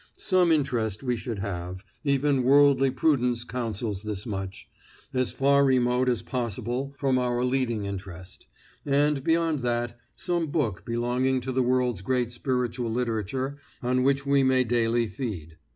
Some interest we should have even worldly prudence counsels this much as far remote as possible from our leading interest; and beyond that, some book belonging to the world's great spiritual literature on which we may daily feed.